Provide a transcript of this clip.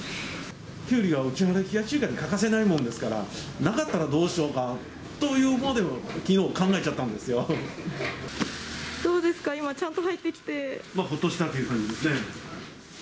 キュウリはうちの冷やし中華に欠かせないものですから、なかったらどうしようかというほうでもきのう、考えちゃったんでどうですか、今、ちゃんと入ほっとしたという感じですね。